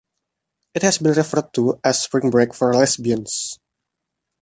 It has been referred to as spring break for lesbians.